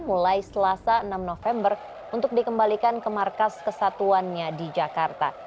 mulai selasa enam november untuk dikembalikan ke markas kesatuannya di jakarta